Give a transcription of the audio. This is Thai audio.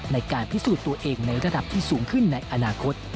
ในการพิสูจน์ตัวเองในระดับที่สูงขึ้นในอนาคต